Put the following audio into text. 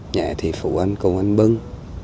nhẹ thì phụ anh cùng anh bưng